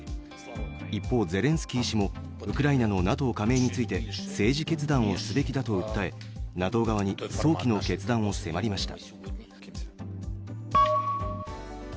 一方、ゼレンスキー氏もウクライナのＮＡＴＯ加盟について政治決断をすべきだと訴え、ＮＡＴＯ側に早期の決断を迫りました。